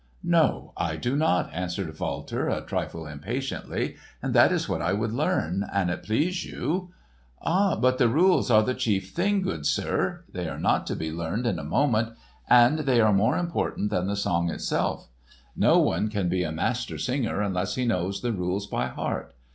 "No, I do not," answered Walter a trifle impatiently, "and that is what I would learn, an it please you." "Ah, but the rules are the chief thing, good sir! They are not to be learned in a moment, and they are more important than the song itself. No one can be a Master Singer unless he knows the rules by heart.